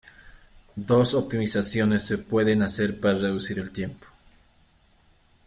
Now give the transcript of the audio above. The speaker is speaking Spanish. Dos optimizaciones se pueden hacer para reducir el tiempo.